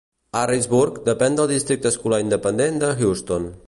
Harrisburg depèn del districte escolar independent de Houston.